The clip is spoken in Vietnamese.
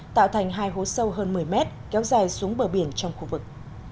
tạo thành hai hố sâu hơn một mươi mét kéo dài xuống bờ biển trong khu vực